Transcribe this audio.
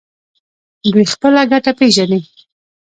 دوی خپله ګټه پیژني.